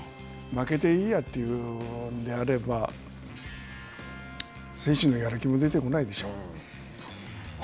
負けていいやということであれば選手のやる気も出てこないでしょう。